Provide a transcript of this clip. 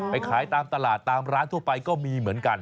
ขายตามตลาดตามร้านทั่วไปก็มีเหมือนกัน